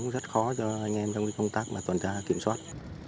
rất khó cho anh em trong công tác tuần tra kiểm soát